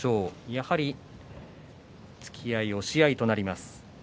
やはり突き合い、押し合いとなります。